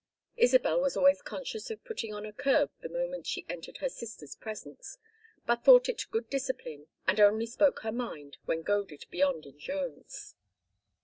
Isabel was always conscious of putting on a curb the moment she entered her sister's presence, but thought it good discipline, and only spoke her mind when goaded beyond endurance.